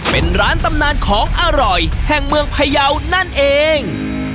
เป็นร้านตำนานของอร่อยแห่งเมืองพยาวนั่นเอง